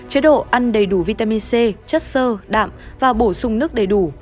chế độ ăn đầy đủ vitamin c chất sơ đạm và bổ sung nước đầy đủ